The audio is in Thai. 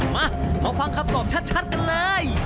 มามาฟังคำตอบชัดกันเลย